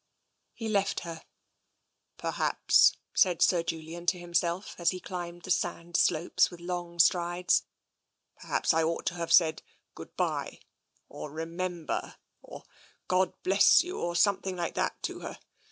He left her. " Perhaps," said Sir Julian to himself, as he climbed the sand slopes with long strides, " perhaps I ought to have said ' Good bye,' or ' Remember,' or * God bless you,' or something like that to her.